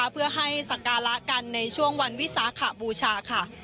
เพื่อให้สักการะกันในช่วงวันวิสาขบูชาค่ะ